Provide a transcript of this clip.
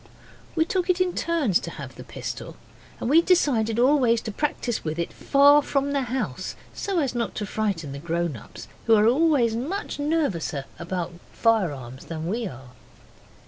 We took it in turns to have the pistol, and we decided always to practise with it far from the house, so as not to frighten the grown ups, who are always much nervouser about firearms than we are.